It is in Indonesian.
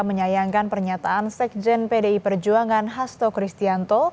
menyayangkan pernyataan sekjen pdi perjuangan hasto kristianto